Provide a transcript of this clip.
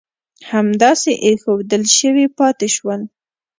همداسې اېښودل شوي پاتې شول.